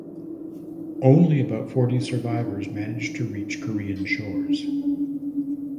Only about forty survivors managed to reach Korean shores.